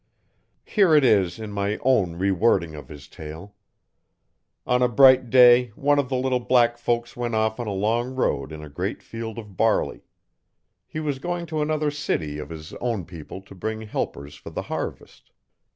Here it is in my own rewording of his tale: On a bright day one of the little black folks went off on a long road in a great field of barley. He was going to another city of his own people to bring helpers for the harvest.